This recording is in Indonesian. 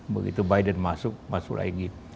begitu biden masuk masuk lagi